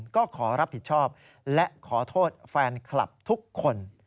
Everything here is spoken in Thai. ก็ขอรับผิดชอบและขอโทษแฟนคลับทุกคน